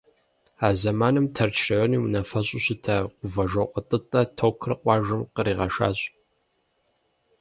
А зэманым Тэрч районым и унафэщӀу щыта Гувэжокъуэ ТӀытӀэ токыр къуажэм къригъэшащ.